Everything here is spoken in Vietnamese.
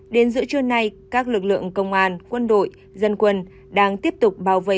đến giữa trưa nay các lực lượng công an quân đội dân quân đang tiếp tục bảo vệ